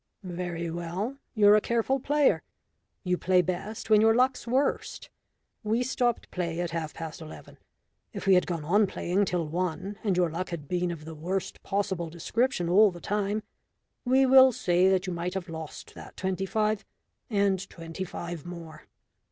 "Very well. You're a careful player. You play best when your luck's worst. We stopped play at half past eleven. If we had gone on playing till one, and your luck had been of the worst possible description all the time, we will say that you might have lost that twenty five and twenty five more.